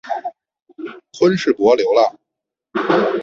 昆士柏流浪